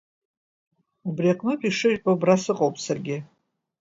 Убри аҟнытә ишыжәбо, абра сыҟоуп саргьы.